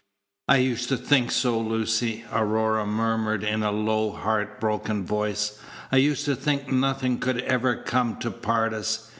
"I used to think so, Lucy," Aurora murmured in a low, heart broken voice; "I used to think nothing could ever come to part us.